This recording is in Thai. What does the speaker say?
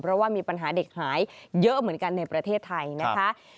เพราะว่ามีปัญหาเด็กหายเยอะเหมือนกันในประเทศไทยนะคะ